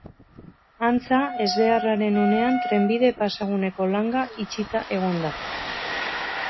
Antza, ezbeharraren unean trenbide-pasaguneko langa itxita egon da.